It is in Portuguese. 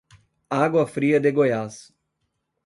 Água Fria de Goiás